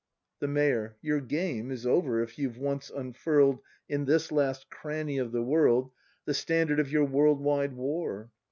The Mayor. Your game Is over, if you've once unfurl 'd In this last cranny of the world The standard of your world wide war.